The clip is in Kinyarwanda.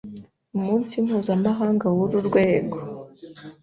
Umunsi Mpuzamahanga w’uru rwego